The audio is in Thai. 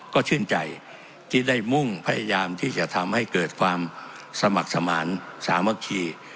ก็ชื่นใจที่ได้มุ่งพยายามที่จะทำให้เกิดความสมัครสมานสามัคคี